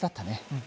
うん。